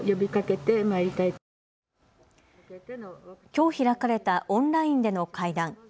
きょう開かれたオンラインでの会談。